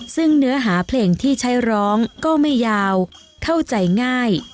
ซึ่งเนื้อหาเพลงที่ใช้ร้องก็ไม่ยาวเข้าใจง่าย